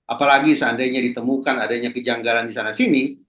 apalagi seandainya ditemukan adanya kejanggalan di sana sini